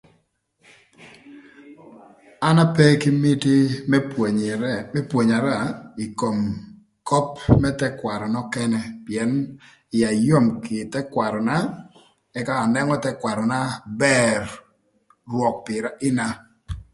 An ape kï miti më pwonyara ï kom köp më thëkwarö nökënë pïën ïa yom kï thëkwaröna, ëka anënö thëkwaröna bër rwök pïrë nïna.